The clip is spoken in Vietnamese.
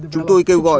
chúng tôi kêu gọi